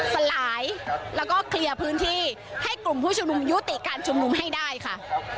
สลายแล้วก็เคลียร์พื้นที่ให้กลุ่มผู้ชุมนุมยุติการชุมนุมให้ได้ค่ะ